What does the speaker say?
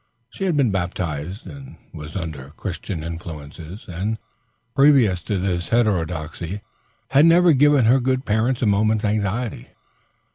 She had been baptized, was under Christian influences, and, previous to this heterodoxy, had never given her good parents a moment's anxiety.